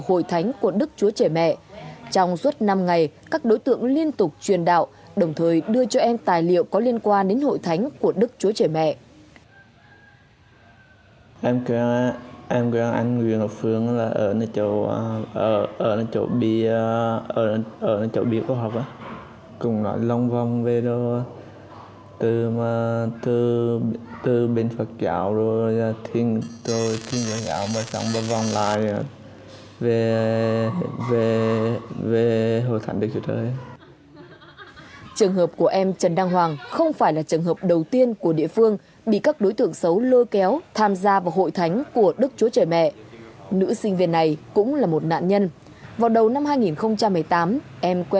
hội thánh của đức chúa trời mẹ xuất hiện tại thứa thiên huế vào năm hai nghìn một mươi bảy và phát triển mạnh vào năm hai nghìn một mươi tám